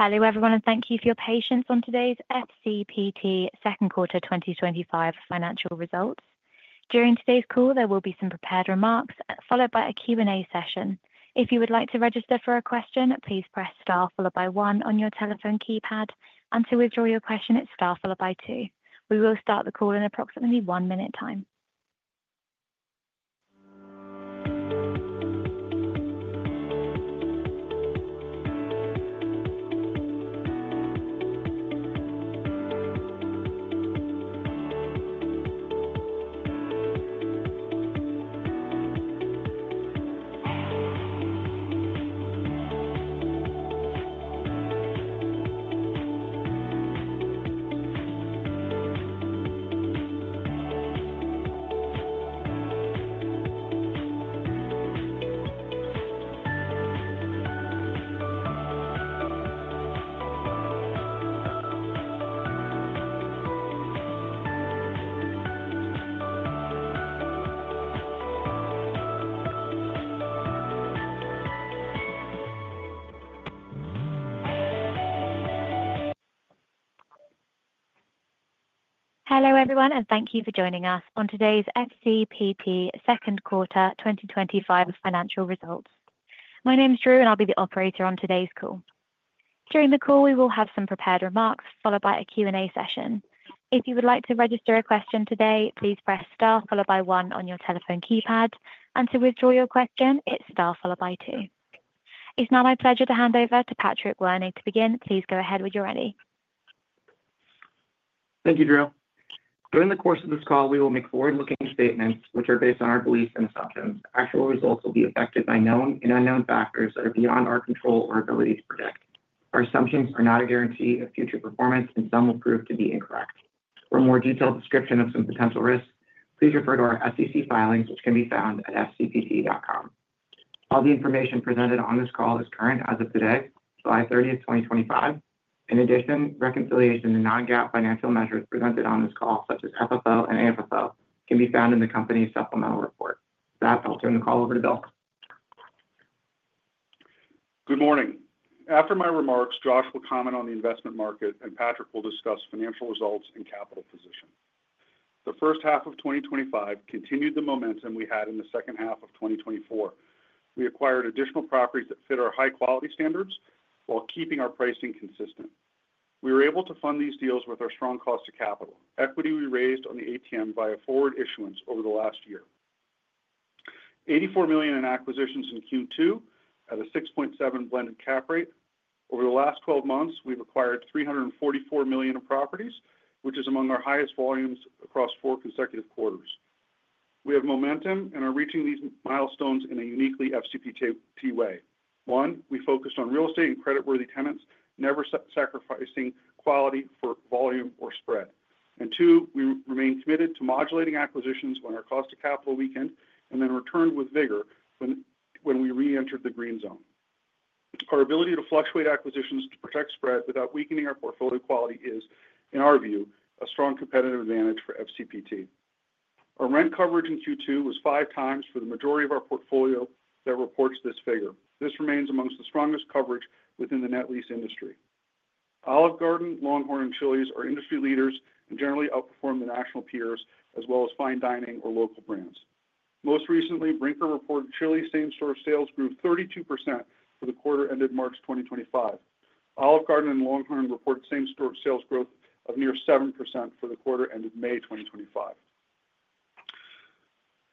Hello everyone and thank you for your patience on today's FCPT second quarter 2025 financial results. During today's call, there will be some prepared remarks followed by a Q&A session. If you would like to register for a question, please press star followed by one on your telephone keypad, and to withdraw your question, it's star followed by two. We will start the call in approximately one minute. Hello everyone and thank you for joining us on today's FCPT second quarter 2025 financial results. My name is Drew and I'll be the operator on today's call. During the call, we will have some prepared remarks followed by a Q&A session. If you would like to register a question today, please press star followed by one on your telephone keypad, and to withdraw your question, it's star followed by two. It's now my pleasure to hand over to Patrick Wernig to begin. Please go ahead with your ready. Thank you, Drew, during the course of this call we will make forward-looking statements which are based on our beliefs and assumptions. Actual results will be affected by known and unknown factors that are beyond our control or ability to predict. Our assumptions are not a guarantee of future performance and some will prove to be incorrect. For a more detailed description of some potential risks, please refer to our SEC filings which can be found at fcpt.com. All the information presented on this call is current as of today, July 30th, 2025. In addition, reconciliation to non-GAAP financial measures presented on this call such as FFO and AFFO can be found in the company's supplemental report. I'll turn the call over to Bill. Good morning. After my remarks, Josh will comment on the investment market and Patrick will discuss financial results and capital position. The first half of 2025 continued the momentum we had in the second half of 2024. We acquired additional properties that fit our high quality standards while keeping our pricing consistent. We were able to fund these deals with our strong cost of capital equity we raised on the ATM via forward issuance over the last year. $84 million in acquisitions in Q2 at a 6.7% blended cap rate. Over the last 12 months we've acquired $344 million of properties, which is among our highest volumes across four consecutive quarters. We have momentum and are reaching these milestones in a uniquely FCPT way. One, we focused on real estate and creditworthy tenants, never sacrificing quality for volume or spread, and two, we remain committed to modulating acquisitions when our cost of capital weakened and then returned with vigor when we re-entered the green zone. Our ability to fluctuate acquisitions to protect spread without weakening our portfolio quality is, in our view, a strong competitive advantage for FCPT. Our rent coverage in Q2 was five times for the majority of our portfolio that reports this figure. This remains amongst the strongest coverage within the net lease industry. Olive Garden, LongHorn, and Chili's are industry leaders and generally outperform the national peers as well as fine dining or local brands. Most recently, Brinker reported Chili's same store sales grew 3.2% for the quarter ended March 2025. Olive Garden and LongHorn reported same store sales growth of near 7% for the quarter ended May 2025.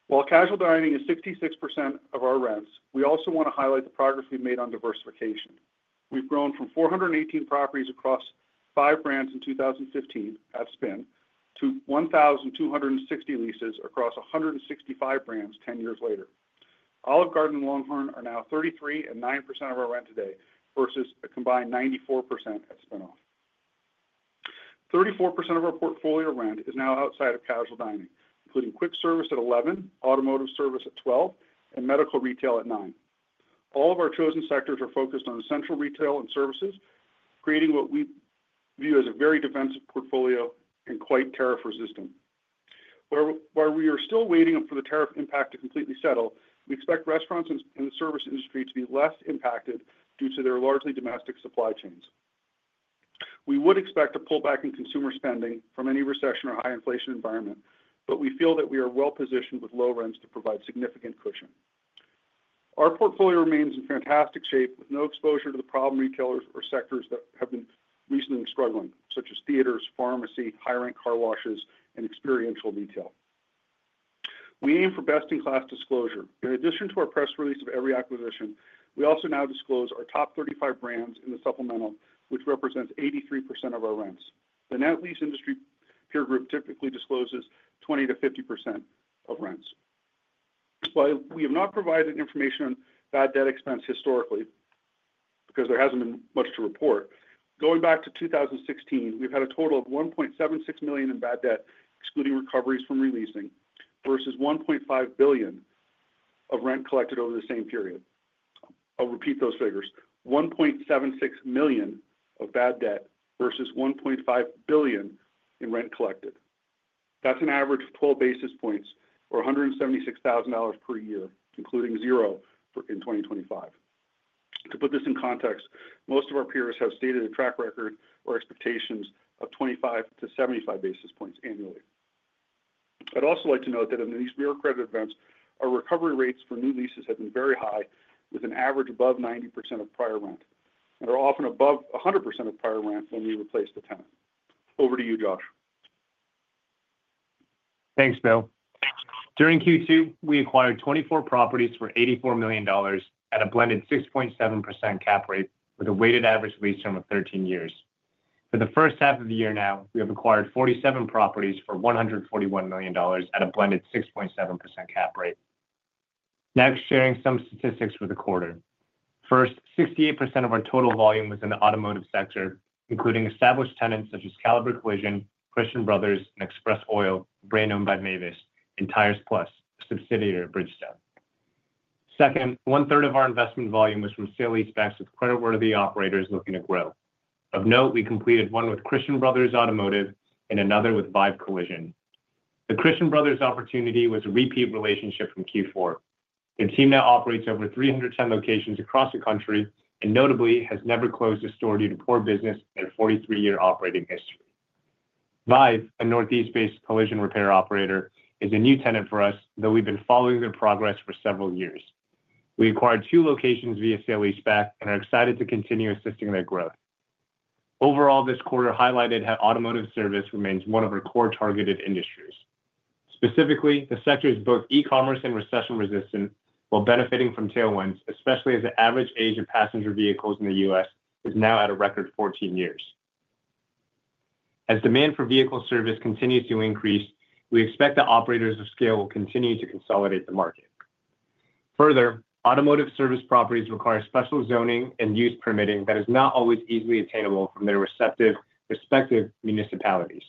While casual dining is 66% of our rents, we also want to highlight the progress we've made on diversification. We've grown from 418 properties across five brands in 2015 at spin to 1,260 leases across 165 brands ten years later. Olive Garden and LongHorn are now 33% and 9% of our rent today versus a combined 94% at spin off. 34% of our portfolio rent is now outside of casual dining, including quick service at 11%, automotive service at 12%, and medical retail at 9%. All of our chosen sectors are focused on essential retail and services, creating what we view as a very defensive portfolio and quite tariff resistant. While we are still waiting for the tariff impact to completely settle, we expect restaurants and service industry to be less impacted due to their largely domestic supply chains. We would expect a pullback in consumer spending from any recession or high inflation environment, but we feel that we are well positioned with low rents to provide significant cushion. Our portfolio remains in fantastic shape with no exposure to the problem retailers or sectors that have been recently struggling, such as theaters, pharmacy, high ranked car washes, and experiential retail. We aim for best in class disclosure. In addition to our press release of every acquisition, we also now disclose our top 35 brands in the supplemental, which represents 83% of our rents. The net lease industry peer group typically discloses 20%-50% of rents. While we have not provided information on bad debt expense historically because there hasn't been much to report, going back to 2016, we've had a total of $1.76 million in bad debt excluding recoveries from releasing versus $1.5 billion of rent collected over the same period. I'll repeat those figures: $1.76 million of bad debt versus $1.5 billion in rent collected. That's an average of 12 basis points, or $176,000 per year, including zero in 2025. To put this in context, most of our peers have stated a track record or expectations of 25 to 75 basis points annually. I'd also like to note that in these mirror credit events, our recovery rates for new leases have been very high, with an average above 90% of prior rent and are often above 100% of prior rent when we replace the tenant. Over to you, Josh. Thanks Bill. During Q2 we acquired 24 properties for $84 million at a blended 6.7% cap rate with a weighted average lease term of 13 years. For the first half of the year, we have acquired 47 properties for $141 million at a blended 6.7% cap rate. Next, sharing some statistics for the quarter. First, 68% of our total volume was in the automotive sector, including established tenants such as Caliber Collision, Christian Brothers and Express Oil, a brand owned by Mavis, and Tires Plus, a subsidiary of Bridgestone. Second, 1/3 of our investment volume was from sale leasebacks with creditworthy operators looking to grow. Of note, we completed one with Christian Brothers Automotive and another with VIVE Collision. The Christian Brothers opportunity was a repeat relationship from Q4. Their team now operates over 310 locations across the country and notably has never closed a store due to poor business in their 43-year operating history. VIVE, a Northeast-based collision repair operator, is a new tenant for us, though we've been following their progress for several years. We acquired two locations via sale leaseback and are excited to continue assisting their growth. Overall, this quarter highlighted how automotive service remains one of our core targeted industries. Specifically, the sector is both e-commerce and recession resistant while benefiting from tailwinds, especially as the average age of passenger vehicles in the U.S. is now at a record 14 years. As demand for vehicle service continues to increase, we expect that operators of scale will continue to consolidate the market. Further, automotive service properties require special zoning and use permitting that is not always easily attainable from their respective municipalities.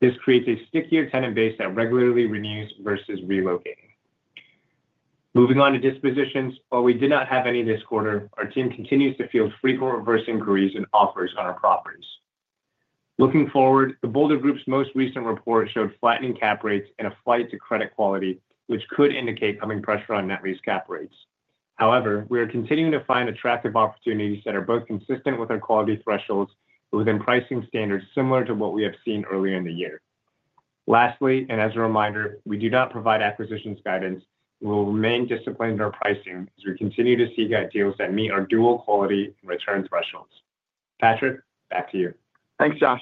This creates a stickier tenant base that regularly renews versus relocating. Moving on to dispositions, while we did not have any this quarter, our team continues to field frequent reverse inquiries and offers on our properties. Looking forward, The Boulder Group's most recent report showed flattening cap rates and a flight to credit quality, which could indicate coming pressure on net lease cap rates. However, we are continuing to find attractive opportunities that are both consistent with our quality thresholds and within pricing standards similar to what we have seen earlier in the year. Lastly, and as a reminder, we do not provide acquisitions guidance. We will remain disciplined in our pricing as we continue to seek out deals that meet our dual quality return thresholds. Patrick, back to you. Thanks Josh.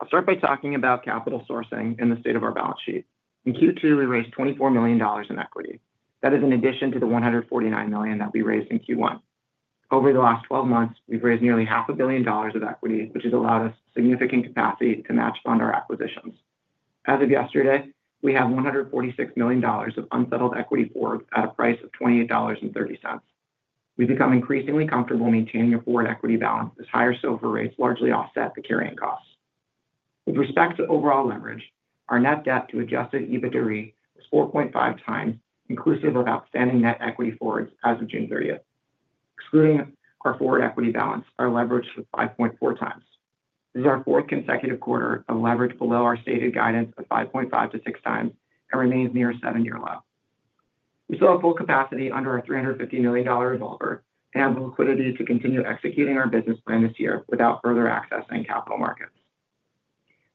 I'll start by talking about capital sourcing and the state of our balance sheet. In Q2 we raised $24 million in equity. That is in addition to the $149 million that we raised in Q1. Over the last 12 months we've raised nearly half a billion dollars of equity, which has allowed us significant capacity to match fund our acquisitions. As of yesterday, we have $146 million of unsettled equity forward at a price of $28.30. We've become increasingly comfortable maintaining a forward equity balance as higher SOFR rates largely offset the carrying costs. With respect to overall leverage, our net debt to adjusted EBITDA is 4.5x inclusive of outstanding net equity forwards. As of June 30th, excluding our forward equity balance, our leverage was 5.4x. This is our fourth consecutive quarter of leverage below our stated guidance of 5.5x-6x and remains near a seven-year low. We still have full capacity under our $350 million revolver and have liquidity to continue executing our business plan this year without further accessing capital markets.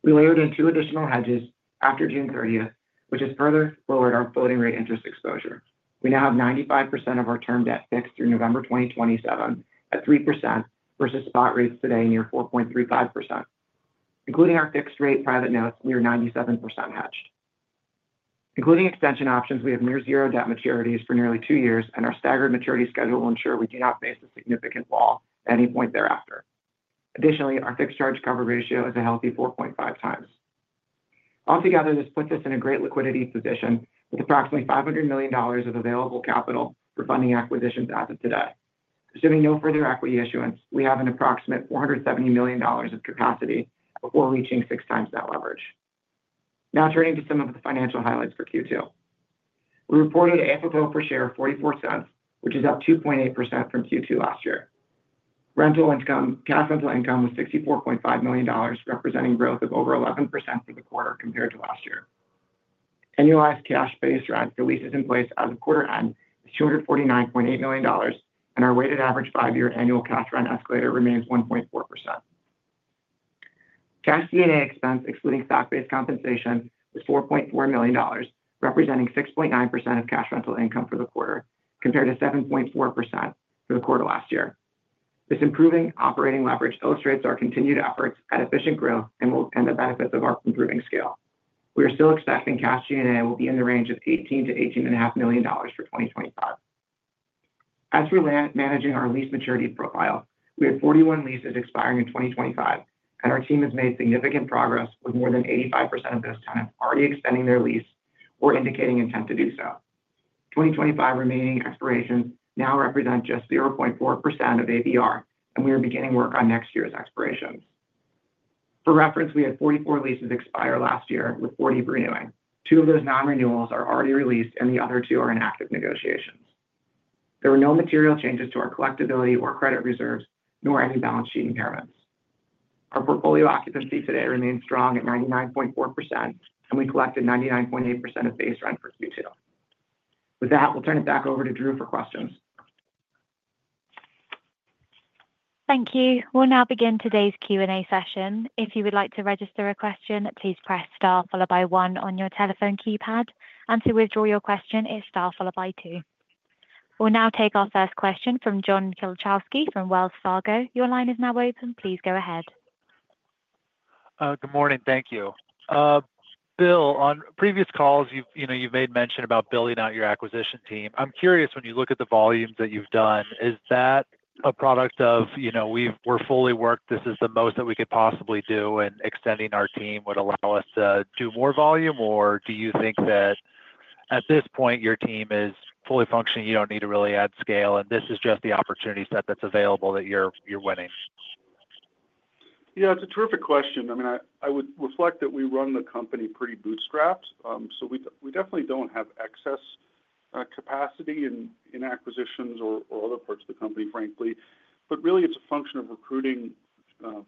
We layered in two additional hedges after June 30th, which has further lowered our floating rate interest exposure. We now have 95% of our term debt fixed through November 2027 at 3% versus spot rates today near 4.35%, including our fixed rate private notes. We are 97% hedged including extension options. We have near zero debt maturities for nearly two years and our staggered maturity schedule will ensure we do not face a significant fall at any point thereafter. Additionally, our fixed charge cover ratio is a healthy 4.5x altogether. This puts us in a great liquidity position with approximately $500 million of available capital for funding acquisitions. As of today, assuming no further equity issuance, we have approximately $470 million of capacity before reaching six times net leverage. Now turning to some of the financial highlights for Q2, we reported AFFO per share of $0.44, which is up 2.8% from Q2 last year. Rental income, cash rental income, was $64.5 million, representing growth of over 11% for the quarter compared to last year. Annualized cash-based rent for leases in place as of quarter end is $249.8 million and our weighted average five-year annual cash rent escalator remains 1.4%. Cash G&A expense excluding stock-based compensation is $4.4 million, representing 6.9% of cash rental income for the quarter, compared to 7.4% for the quarter last year. This improving operating leverage illustrates our continued efforts at efficient growth and the benefits of our improving scale. We are still expecting G&A will be in the range of $18 million-$18.5 million for 2025, as we're managing our lease maturity profile. We have 41 leases expiring in 2025, and our team has made significant progress with more than 85% of those tenants already extending their lease or indicating intent to do so. 2025 remaining expirations now represent just 0.4% of ABR, and we are beginning work on next year's expiration. For reference, we had 44 leases expire last year with 40 renewing. Two of those non-renewals are already released and the other two are in active negotiations. There were no material changes to our collectability or credit reserves, nor any balance sheet impairments. Our portfolio occupancy today remains strong at 99.4%, and we collected 99.8% of base rent for Q2. With that, we'll turn it back over to Drew for questions. Thank you. We'll now begin today's Q&A session. If you would like to register a question, please press star followed by one on your telephone keypad. To withdraw your question, it's star followed by two. We'll now take our first question from John Kilichowski from Wells Fargo. Your line is now open. Please go ahead. Good morning. Thank you, Bill. On previous calls, you've made mention about building out your acquisition team. I'm curious, when you look at the volumes that you've done, is that a product of, you know, we're fully worked, this is the most that we could possibly do. Extending our team would allow us to do more volume or do you think that at this point your team is fully functioning, you don't need to really add scale, and this is just the opportunity set that's available that you're winning? Yeah, it's a terrific question. I mean, I would reflect that we run the company pretty bootstrapped, so we definitely don't have excess capacity in acquisitions or other parts of the company, frankly. Really it's a function of recruiting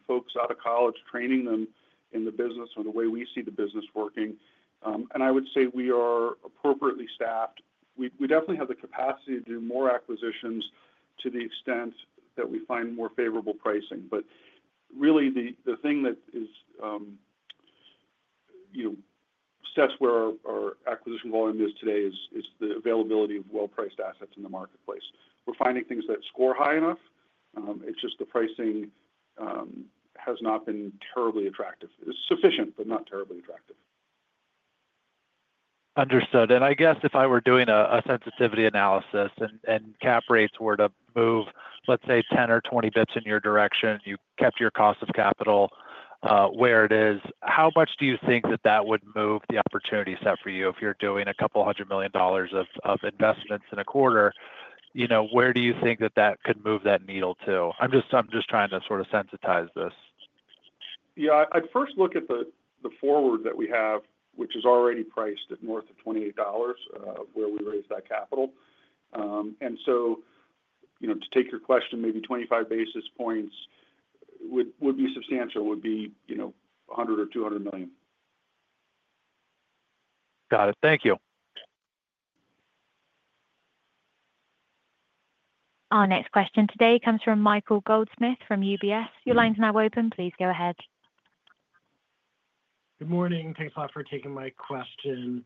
folks out of college, training them in the business or the way we see the business working. I would say we are appropriately staffed. We definitely have the capacity to do more acquisitions to the extent that we find more favorable pricing. Really, the thing that sets where our acquisition volume is today is the availability of well priced assets in the marketplace. We're finding things that score high enough. It's just the pricing has not been terribly attractive. It's sufficient, but not terribly attractive. Understood. I guess if I were doing a sensitivity analysis and cap rates were to move, let's say 10 or 20 bps in your direction, you kept your cost of capital where it is, how much do you think that that would move the opportunity set for you? If you're doing a couple hundred million dollars of investments in a quarter, where do you think that that could move that needle to? I'm just trying to sort of sensitize this. Yeah, I'd first look at the forward that we have, which is already priced at north of $28, where we raise that capital. To take your question, maybe 25 basis points would be substantial, would be, you know, $100 million-$200 million. Got it. Thank you. Our next question today comes from Michael Goldsmith from UBS. Your line's now open. Please go ahead. Good morning. Thanks a lot for taking my question.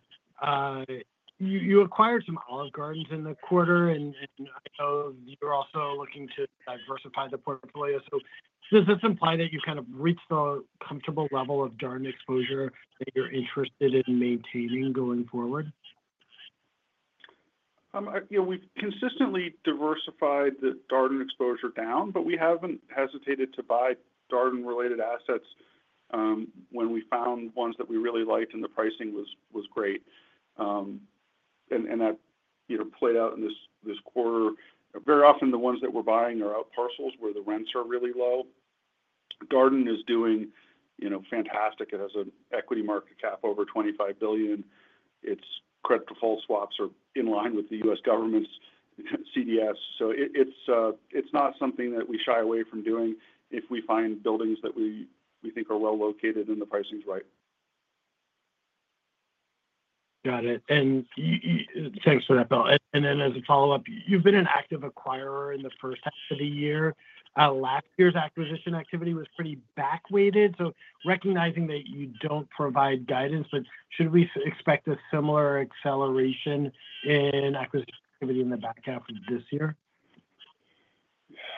You acquired some Olive Gardens in the quarter, and I know you're also looking to diversify the portfolio. Does this imply that you kind of reached the comfortable level of Darden exposure that you're interested in maintaining going forward? You know, we've consistently diversified the Darden exposure down, but we haven't hesitated to buy Darden-related assets when we found ones that we really liked and the pricing was great. That played out in this quarter. Very often the ones that we're buying are out parcels where the rents are really low. Darden is doing fantastic. It has an equity market cap over $25 billion. Its credit default swaps are in line with the U.S. government's CDS. It's not something that we shy away from doing if we find buildings that we think are well located and the pricing is right. Got it. Thanks for that, Bill. As a follow-up, you've been an active acquirer in the first half of the year. Last year's acquisition activity was pretty back weighted. Recognizing that you don't provide guidance, should we expect a similar acceleration in acquisition activity in the back half of this year?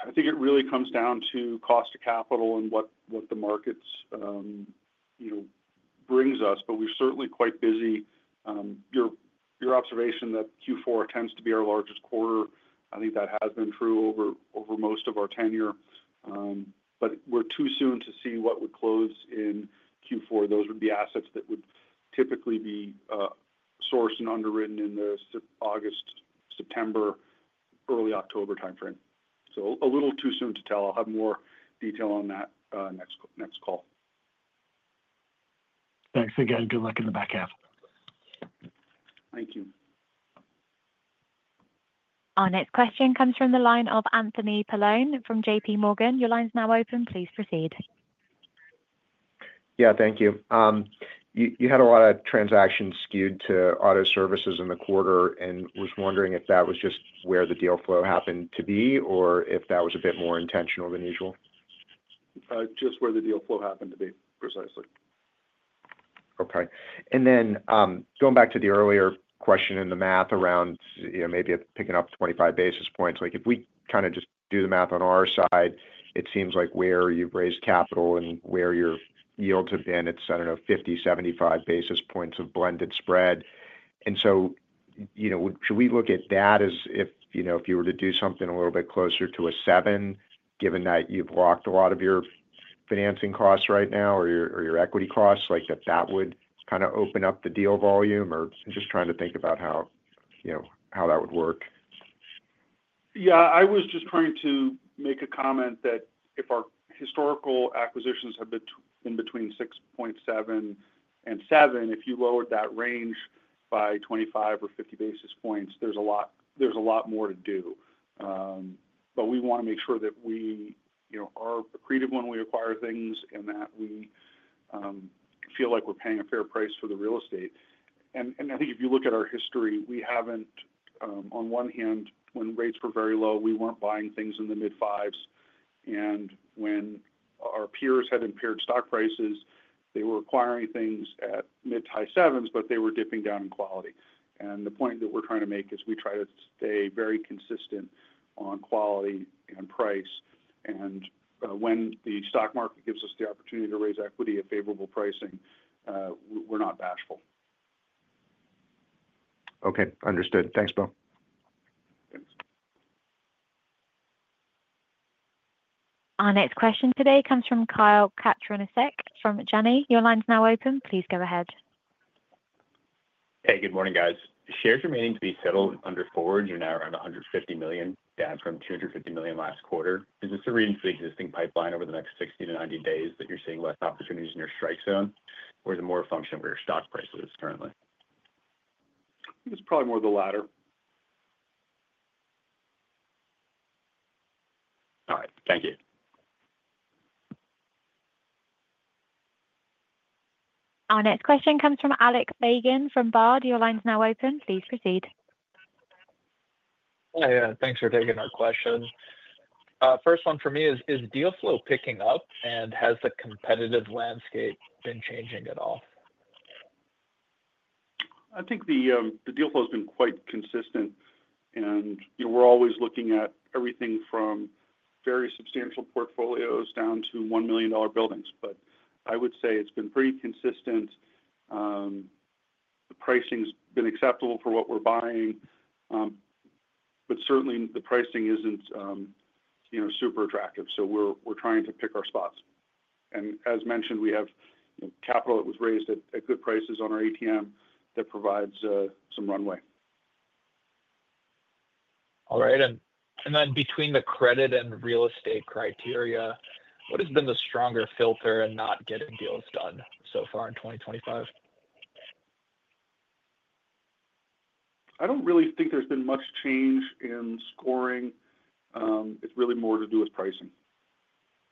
I think it really comes down to cost of capital and what the markets brings us, but we're certainly quite busy. Your observation that Q4 tends to be our largest quarter, I think that has been true over most of our tenure, but it's too soon to see what would close in Q4. Those would be assets that would typically be sourced and underwritten in the August, September, early October timeframe. It's a little too soon to tell. I'll have more detail on that next call. Thanks again. Good luck in the back half. Thank you. Our next question comes from the line of Anthony Paolone from JPMorgan. Your line is now open. Please proceed. Thank you. You had a lot of transactions skewed to auto services in the quarter. Was wondering if that was just where the deal flow happened to be, or if that was a bit more intentional than usual? Just where the deal flow happened to be. Precisely. Okay. Going back to the earlier. Question in the math around maybe picking up 25 basis points, like, if we kind of just do the math on our side, it seems like where you've raised capital and where your yields have. It's, I don't know, 50, 75 basis points of blended spread. Should we look at that as if, you know, if you were to do something a little bit closer to a 7, given that you've locked a lot of your financing costs right now or your equity costs. That would kind of open up the deal volume or just trying to think about how that would work. I was just trying to make a comment that if our historical acquisitions have been in between 6.7 and 7, if you lowered that range by 25 or 50 basis points, there's a lot more to do. We want to make sure that we are accretive when we acquire things and that we feel like we're paying a fair price for the real estate. I think if you look at our history, we haven't. On one hand, when rates were very low, we weren't buying things in the mid fives. When our peers had impaired stock prices, they were acquiring things at mid high sevens, but they were dipping down in quality. The point that we're trying to make is we try to stay very consistent on quality and price. When the stock market gives us the opportunity to raise equity at favorable pricing, we're not bashful. Okay, understood. Thanks, Bill. Our next question today comes from Kyle Katorincek from Janney. Your line's now open. Please go ahead. Hey, good morning, guys. Shares remaining to be settled under forwards. You have now around $150 million, down from $250 million last quarter. Is this a reason for the existing pipeline over the next 60 to 90 days, that you're seeing less opportunities in your strike zone, or is it more? function of your stock prices? Currently. It's probably more the latter. All right, thank you. Our next question comes from Alec Feygin from Baird. Your line is now open. Please proceed. Hi. Thanks for taking our question. First one for me is, is deal flow picking up, and has the competitive landscape been changing at all? I think the deal flow has been quite consistent, and we're always looking at everything from very substantial portfolios down to $1 million buildings. I would say it's been pretty consistent. The pricing's been acceptable for what we're buying, but certainly the pricing isn't, you know, super attractive. We're trying to pick our spots. As mentioned, we have capital that was raised at good prices on our ATM that provides some runway. All right, between the credit and real estate criteria, what has been the stronger filter and not getting deals done so far in 2025? I don't really think there's been much change in scoring. It's really more to do with pricing.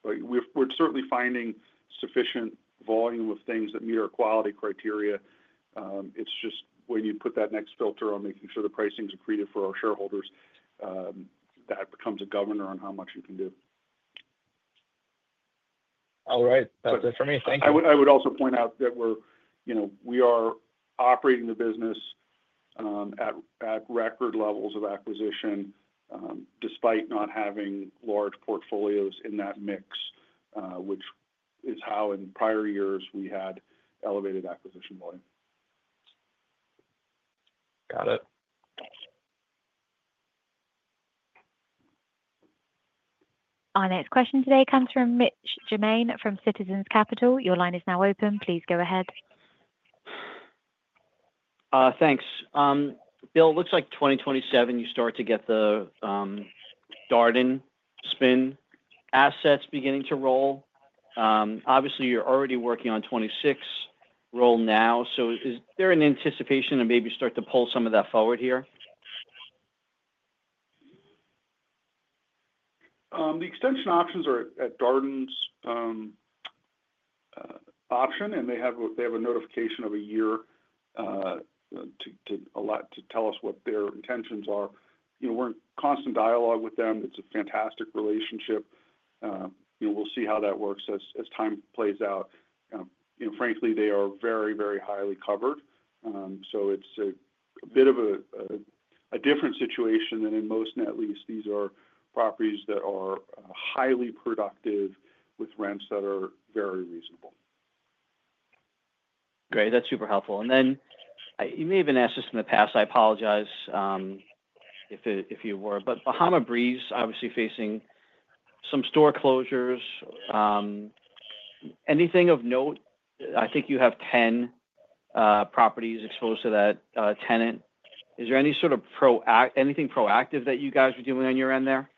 We're certainly finding sufficient volume of things that meet our quality criteria. It's just when you put that next filter on, making sure the pricing is accretive for our shareholders, that becomes a governor on how much you can do. All right, that's it for me. Thank you. I would also point out that we are operating the business at record levels of acquisition despite not having large portfolios in that mix, which is how in prior years, we had elevated acquisition volume. Got it. Our next question today comes from Mitch Germain from Citizens Capital. Your line is now open. Please go ahead. Thanks, Bill. Looks like 2027 you start to get the Darden spin assets beginning to roll. Obviously, you're already working on 2026 roll now, so is there an anticipation and maybe start to pull some of that forward here? The extension options are at Darden's option, and they have a notification of a year to tell us what their intentions are. We're in constant dialogue with them. It's a fantastic relationship. We'll see how that works as time plays out. Frankly, they are very, very highly covered, so it's a bit of a different situation than in most net lease. These are properties that are highly productive with rents that are very reasonable. Great. That's super helpful. You may have been asked this in the past. I apologize if you were, but Bahama Breeze obviously facing some store closures. Anything of note? I think you have 10 properties exposed to that tenant. Is there any sort of proact, anything proactive that you guys are doing on your end there?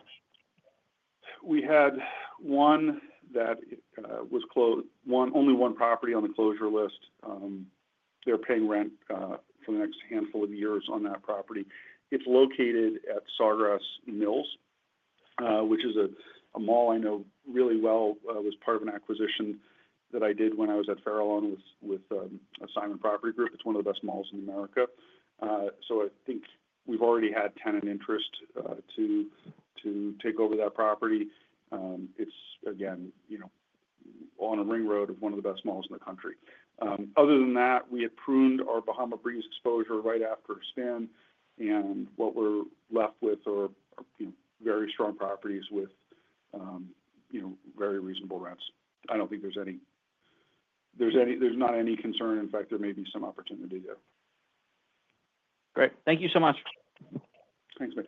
We had one that was closed, only one property on the closure list. They're paying rent for the next handful of years on that property. It's located at Sawgrass Mills, which is a mall I know really well, was part of an acquisition that I did when I was at Farallon with Simon Property Group. It's one of the best malls in America. I think we've already had tenant interest to take over that property. It's again, you know, on a ring road of one of the best malls in the country. Other than that, we had pruned our Bahama Breeze exposure right after spin and what we're left with are very strong properties with, you know, very reasonable rents. I don't think there's any concern. In fact, there may be some opportunity there. Great. Thank you so much. Thanks, Mitch.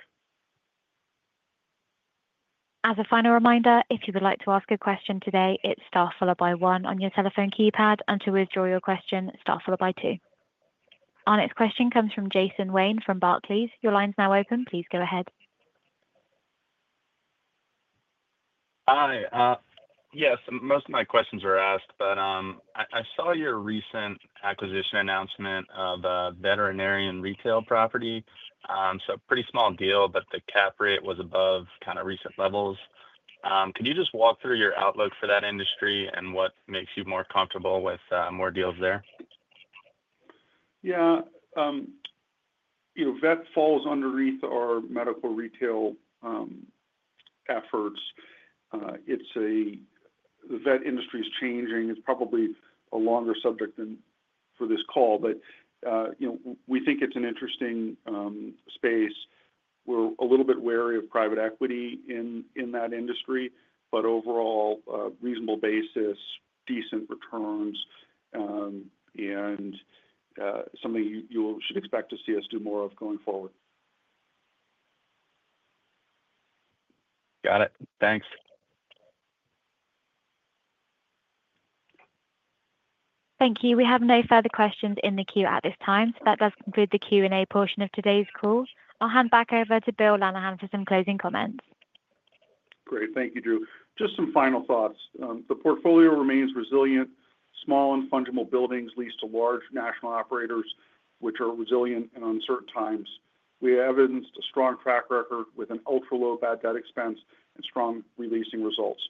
As a final reminder, if you would like to ask a question today, it's star followed by one on your telephone keypad, and to withdraw your question, star followed by two. Our next question comes from Jason Wayne from Barclays. Your line is now open. Please go ahead. Hi, yes, most of my questions are asked, but I saw your recent acquisition announcement of veterinarian retail property. Pretty small deal, but the cap rate was above kind of recent levels. Can you just walk through your outlook for that industry and what makes you more comfortable with more deals there? Yeah, you know, vet falls underneath our medical retail efforts. The vet industry is changing. It's probably a longer subject than for this call, but you know, we think it's an interesting space. We're a little bit wary of private equity in that industry, but overall, reasonable basis, decent returns, and something you should expect to see us do more of going forward. Got it. Thanks. Thank you. We have no further questions in the queue at this time. That does conclude the Q&A portion of today's call. I'll hand back over to Bill Lenehan for some closing comments. Great, thank you, Drew. Just some final thoughts. The portfolio remains resilient. Small and fungible buildings leased to large national operators, which are resilient in uncertain times. We evidenced a strong track record with an ultra low bad debt expense and strong releasing results.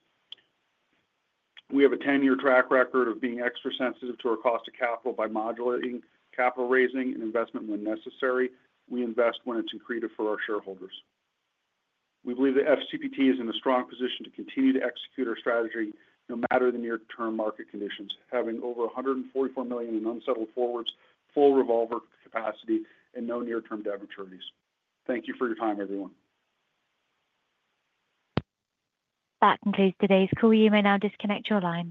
We have a 10-year track record of being extra sensitive to our cost of capital by modulating capital raising and investment when necessary. We invest when it's accretive for our shareholders. We believe that FCPT is in a strong position to continue to execute our strategy no matter the near-term market conditions, having over $144 million in unsettled forwards, full revolver capacity, and no near-term debt maturities. Thank you for your time, everyone. That concludes today's call. You may now disconnect your line.